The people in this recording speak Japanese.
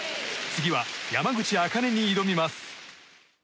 次は山口茜に挑みます。